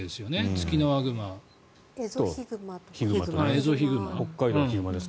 ツキノワグマとエゾヒグマ。